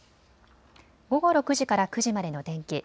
午後６時から９時までの天気。